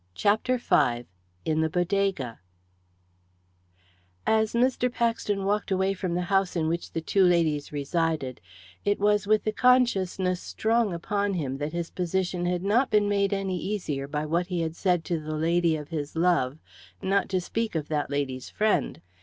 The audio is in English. CHAPTER V IN THE BODEGA As Mr. Paxton walked away from the house in which the two ladies resided, it was with the consciousness strong upon him that his position had not been made any easier by what he had said to the lady of his love, not to speak of that lady's friend.